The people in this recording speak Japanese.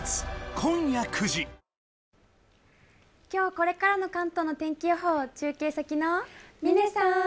今日これからの関東の天気予報を中継先の嶺さん！